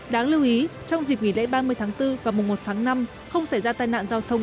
đáng lưu ý trong dịp nghỉ lễ ba mươi tháng bốn và mùa một tháng năm không xảy ra tai nạn giao thông đặc biệt nghiêm trọng